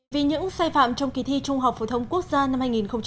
vì những sai phạm trong kỳ thi trung học phổ thông quốc gia năm hai nghìn một mươi tám